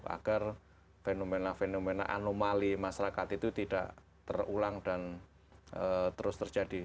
agar fenomena fenomena anomali masyarakat itu tidak terulang dan terus terjadi